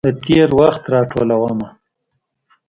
د تیروخت راټولومه